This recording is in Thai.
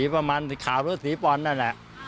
สีประมาณสี่ขาวรถสีฟรรล์นั่นแหละ